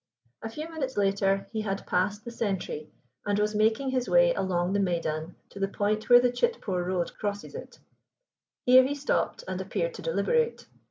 A few minutes later he had passed the sentry, and was making his way along the Maidan to the point where the Chitpore Road crosses it. Here he stopped and appeared to deliberate.